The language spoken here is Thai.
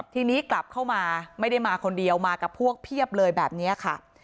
ทีนี้กลับเข้ามาไม่ได้มาคนเดียวมากับพวกเพียบเลยแบบนี้ค่ะ